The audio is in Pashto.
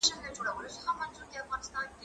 زه کالي وچولي دي!.